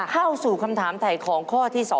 เข้าสู่คำถามถ่ายของข้อที่๒